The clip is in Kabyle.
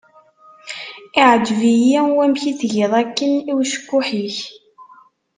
Iεǧeb-iyi wamek i tgiḍ akken i ucekkuḥ-ik.